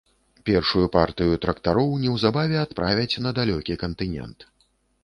Першую партыю трактароў неўзабаве адправяць на далёкі кантынент.